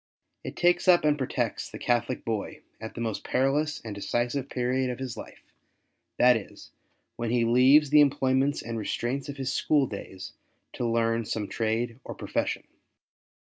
It takes up and protects the Catholic boy at the most perilous and decisive period of his life — that is, when he leaves the employments and restraints of his school days to learn some trade or profession.